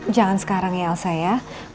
jangan sekarang ya elsa ya